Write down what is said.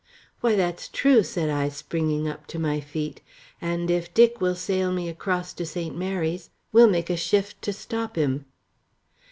"Why, that's true," said I, springing up to my feet. "And if Dick will sail me across to St. Mary's, we'll make a shift to stop him."